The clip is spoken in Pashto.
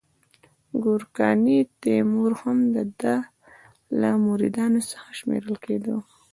ګورکاني تیمور هم د ده له مریدانو څخه شمیرل کېده.